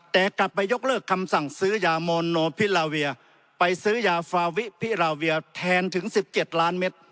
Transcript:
แต่กลับไปยกเลิกคำสั่งซื้อยาโมโนพิลาเวียไปซื้อยาฟาวิพิราเวียแทนถึง๑๗ล้านเมตร